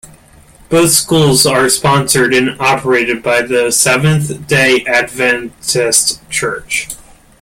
Both schools are sponsored and operated by the Seventh-day Adventist Church.